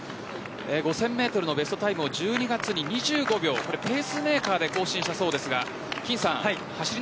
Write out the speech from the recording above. ５０００メートルのベストタイムを１２月に２５秒ペースメーカーで更新したそうです。